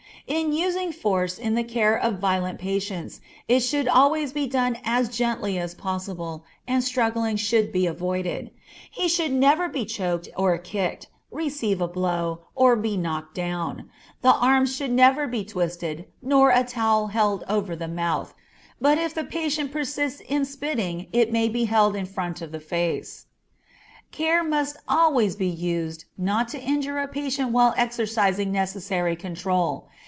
In using force in the care of violent patients, it should always be done as gently as possible, and struggling should be avoided; he should never be choked or kicked, receive a blow, or be knocked down; the arms should never be twisted, nor a towel held over the mouth, but if the patient persists in spitting it may be held in front of the face. Care must always be used not to injure a patient while exercising necessary control.